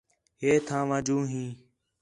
ہے تھاں وا جوں ہی